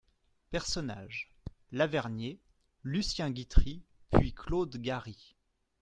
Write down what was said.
Personnages Lavernié, Lucien Guitry, puis Claude Garry.